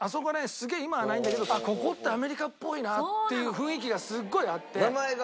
すげえ今はないんだけどここってアメリカっぽいなっていう雰囲気がすごいあって。